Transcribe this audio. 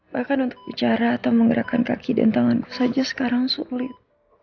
bahkan untuk bicara atau menggerakkan kaki dan tangan saja sekarang sulit